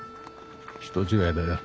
人違いだよ。